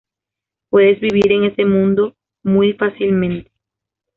Puedes vivir en ese mundo muy fácilmente.